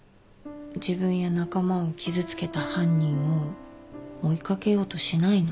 自分や仲間を傷つけた犯人を追い掛けようとしないの。